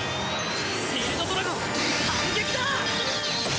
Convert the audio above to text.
シールドドラゴン反撃だ！